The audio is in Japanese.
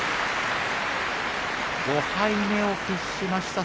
５敗目を喫しました。